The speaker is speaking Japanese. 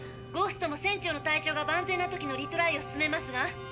ゴーストも船長の体調が万全な時のリトライをすすめますが？